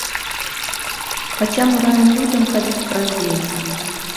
Хаця мы раім людзям хадзіць праз дзень.